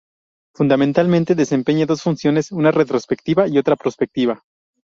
Fundamentalmente, desempeña dos funciones, una retrospectiva y otra prospectiva.